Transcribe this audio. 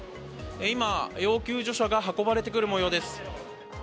今、要救助者が運ばれてくる模様です。